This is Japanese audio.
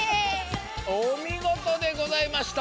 おみごとでございました。